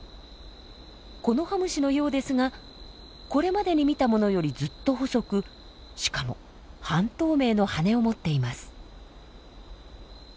コノハムシのようですがこれまでに見たものよりずっと細くしかも半透明の羽を持っています。